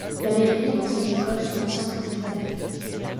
La mairie et l'ancienne école sont l'ancien presbytère.